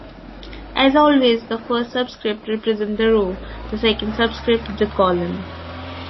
As always, the first subscript represents the row, the second subscript the column.